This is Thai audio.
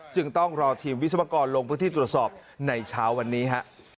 จึงต้องรอทีมวิศวกรลงพื้นที่ตรวจสอบในเช้าวันนี้ฮะ